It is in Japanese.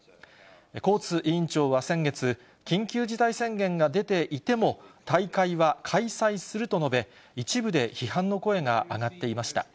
コーツ委員長は先月、緊急事態宣言が出ていても、大会は開催すると述べ、一部で批判の声が上がっていました。